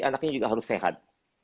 anaknya juga harus sehat